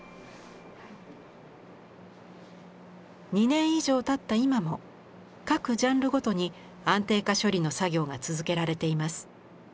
２年以上たった今も各ジャンルごとに安定化処理の作業が続けられています。